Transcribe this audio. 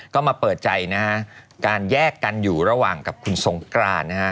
ก็มาเปิดใจนะฮะการแยกกันอยู่ระหว่างกับคุณสงกรานนะฮะ